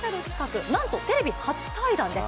なんとテレビ初対談です。